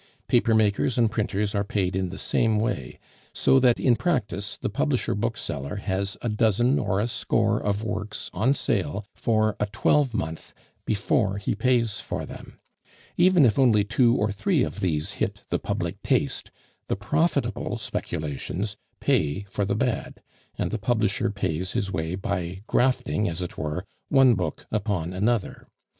Papermakers and printers are paid in the same way, so that in practice the publisher bookseller has a dozen or a score of works on sale for a twelvemonth before he pays for them. Even if only two or three of these hit the public taste, the profitable speculations pay for the bad, and the publisher pays his way by grafting, as it were, one book upon another.